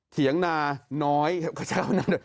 เถียงนาน้อยเขาจะเอาหน่อย